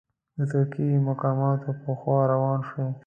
د ترکي مقاماتو پر خوا روان شو.